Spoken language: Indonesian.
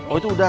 oh itu udah